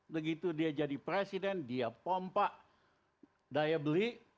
begitu dia jadi presiden dia pompa daya beli